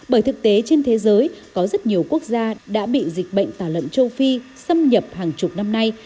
bởi thực tế trên thế giới có rất nhiều quốc gia đã bị dịch bệnh tả lợn châu phi xâm nhập hàng chục năm nay